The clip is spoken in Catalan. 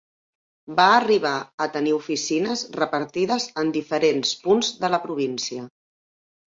Va arribar a tenir oficines repartides en diferents punts de la província.